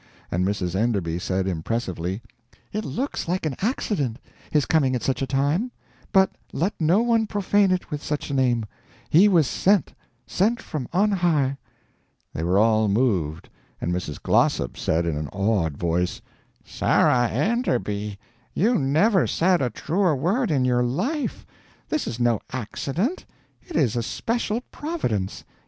And Mrs. Enderby said, impressively: "It looks like an accident, his coming at such a time; but let no one profane it with such a name; he was sent sent from on high." They were all moved, and Mrs. Glossop said in an awed voice: "Sarah Enderby, you never said a truer word in your life. This is no accident, it is a special Providence.